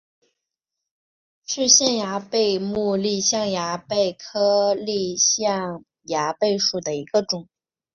是象牙贝目丽象牙贝科丽象牙贝属的一种。